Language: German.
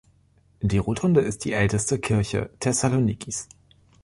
Die Rotunde ist die älteste Kirche Thessalonikis.